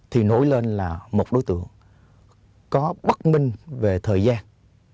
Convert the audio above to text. thì nổi lên là một đối tượng có bất minh về thời gian